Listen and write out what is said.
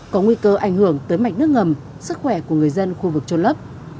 có nguy cơ ảnh hưởng tới mạch nước ngầm sức khỏe của người dân khu vực trôn lấp